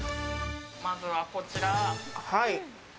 まずはこちら。